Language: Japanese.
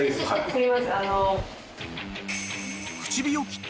すいません。